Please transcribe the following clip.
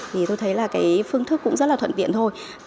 thì tôi thấy là cái phương thức cũng rất là thuận tiện thôi